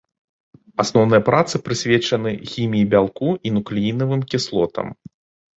Асноўныя працы прысвечаны хіміі бялку і нуклеінавым кіслотам.